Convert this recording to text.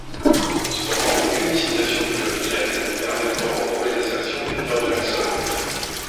Cependant, aucune citation de Tolkien ne permet de corroborer l'assertion de Peter Jackson.